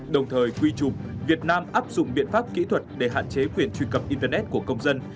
đồng thời quy trục việt nam áp dụng biện pháp kỹ thuật để hạn chế quyền truy cập internet của công dân